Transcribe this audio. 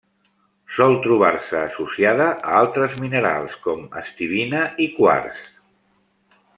Sol trobar-se associada a altres minerals com: estibina i quars.